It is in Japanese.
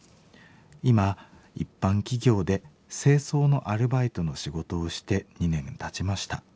今一般企業で清掃のアルバイトの仕事をして２年たちました。